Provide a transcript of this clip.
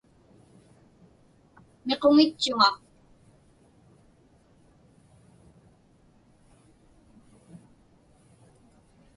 Miquŋitchuŋa.